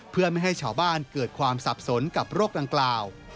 เพื่อไม่ให้ชาวบ้านเกิดความสับสนกับโรคดังกล่าว